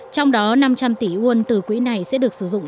trong đó năm trăm linh tỷ won từ quỹ này sẽ được sử dụng